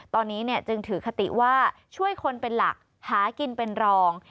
ตอนนี้จึงถือคติว่าช่วยคนเป็นหลักหากินเป็นรอง